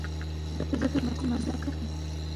زه هره ورځ د کثافاتو د جلا کولو هڅه کوم.